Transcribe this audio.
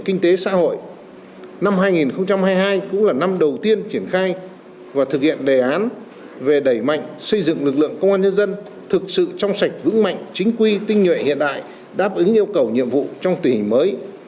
kinh tế xã hội năm hai nghìn hai mươi hai cũng là năm đầu tiên triển khai và thực hiện đề án về đẩy mạnh xây dựng lực lượng công an nhân dân thực sự trong sạch vững mạnh chính quy tinh nhuệ hiện đại đáp ứng yêu cầu nhiệm vụ trong tỉ hình mới